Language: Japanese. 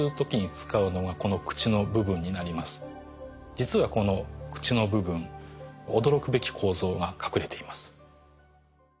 実はこの口の部分驚くべき構造が隠れています。